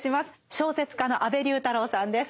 小説家の安部龍太郎さんです。